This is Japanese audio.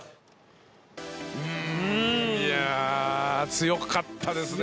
強かったですね。